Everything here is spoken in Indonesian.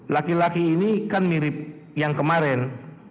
laki laki ini kan mirip yang kemarin